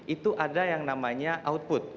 itu ada yang namanya output